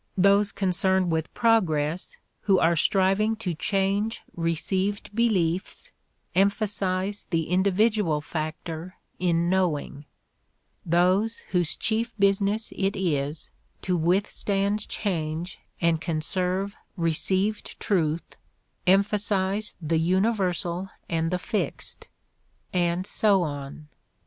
Those concerned with progress, who are striving to change received beliefs, emphasize the individual factor in knowing; those whose chief business it is to withstand change and conserve received truth emphasize the universal and the fixed and so on.